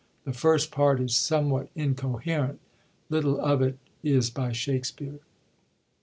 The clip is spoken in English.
The first part is some what incoherent ; little of it is by Shakspere.